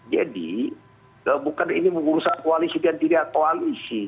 jadi bukan ini menguruskan koalisi dan tidak koalisi